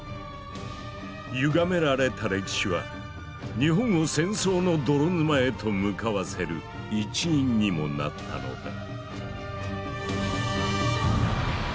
ゆがめられた歴史は日本を戦争の泥沼へと向かわせる一因にもなったのだ。